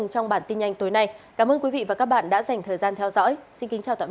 cảm ơn các bạn đã theo dõi